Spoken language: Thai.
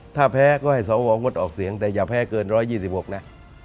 ถ้าแพ้ก็ให้สวงดออกเสียงแต่อย่าแพ้เกิน๑๒๖นะ